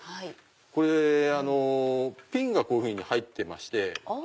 これピンがこういうふうに入ってまして。